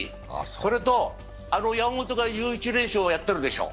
それと、山本が１１連勝やっておるでしょう。